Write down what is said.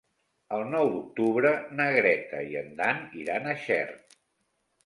El nou d'octubre na Greta i en Dan iran a Xert.